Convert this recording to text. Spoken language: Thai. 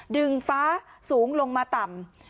ฟ้าสูงลงมาต่ำ